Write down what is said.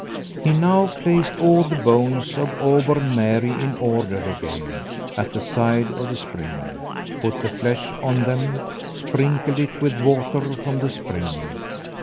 He now placed all the bones of Auburn Mary in order again at the side of the spring, put the flesh on them, sprinkled it with water from the spring.